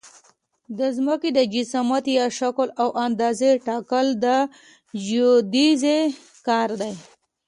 د ځمکې د جسامت یا شکل او اندازې ټاکل د جیودیزي کار دی